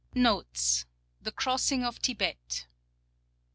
253 The Crossing of Tibet.